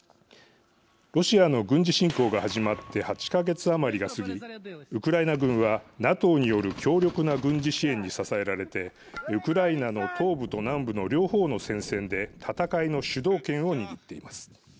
ロシアの軍事侵攻が始まって８か月余りが過ぎウクライナ軍はＮＡＴＯによる強力な軍事支援に支えられてウクライナの東部と南部の両方の戦線で戦いの主導権を握っています。